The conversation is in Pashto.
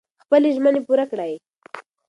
خپلې ژمنې پوره کړئ.